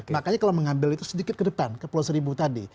makanya kalau mengambil itu sedikit ke depan ke pulau seribu tadi